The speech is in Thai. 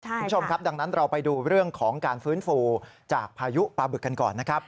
คุณผู้ชมครับดังนั้นเราไปดูเรื่องของการฟื้นฟูจากพายุปลาบึกกันก่อนนะครับ